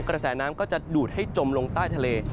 กระแสน้ำก็จะดูดให้จมลงใต้ทะเล